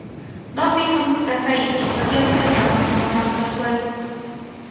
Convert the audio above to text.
دا پېښه موږ ته ښيي چې توریان څنګه رامنځته شول.